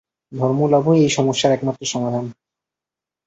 ধর্মলাভই এই সমস্যার একমাত্র সমাধান।